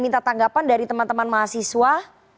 minta tanggapan dari teman teman mahasiswa